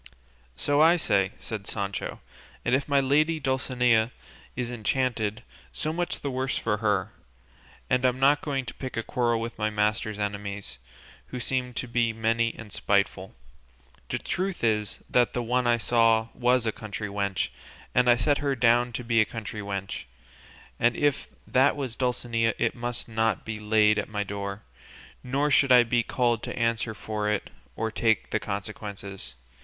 "So I say," said Sancho, "and if my lady Dulcinea is enchanted, so much the worse for her, and I'm not going to pick a quarrel with my master's enemies, who seem to be many and spiteful. The truth is that the one I saw was a country wench, and I set her down to be a country wench; and if that was Dulcinea it must not be laid at my door, nor should I be called to answer for it or take the consequences.